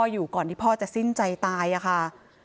อยู่ก่อนที่พ่อจะสิ้นใจที่ตาย